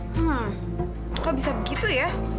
hah kok bisa begitu ya